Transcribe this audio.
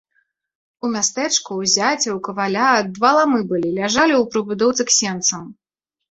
У мястэчку, у зяця, у каваля, два ламы былі, ляжалі ў прыбудоўцы к сенцам.